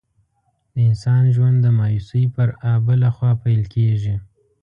د انسان ژوند د مایوسۍ پر آبله خوا پیل کېږي.